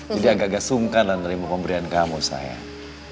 jadi agak agak sungkan lah nerima pemberian kamu sayang